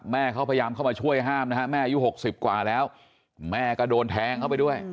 แม่เขาพยายามเข้ามาช่วยห้ามนะฮะแม่อายุ๖๐กว่าแล้วแม่ก็โดนแทงเข้าไปด้วย